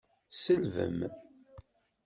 Tselbem.